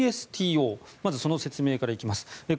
まずその説明からいきます。